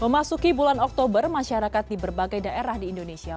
memasuki bulan oktober masyarakat di berbagai daerah di indonesia